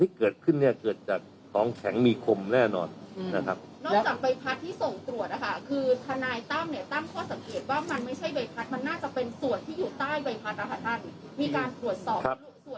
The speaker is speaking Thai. มีการปรวจสอบส่วนตรงที่เขาเรียกว่าหางเสือ